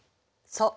そう。